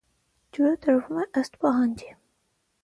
Ջուրը տրվում է ըստ պահանջի։